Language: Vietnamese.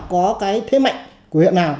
có cái thế mạnh của huyện nào